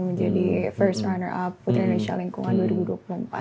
menjadi first runner up putri indonesia lingkungan dua ribu dua puluh empat